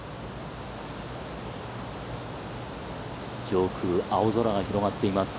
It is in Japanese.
上空、青空が広がっています。